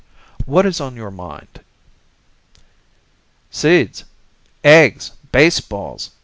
What is on your mind?" "Seeds! Eggs! Baseballs!"